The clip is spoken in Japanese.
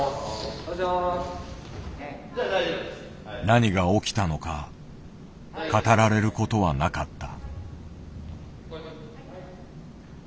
何が起きたのか語られることはなかった。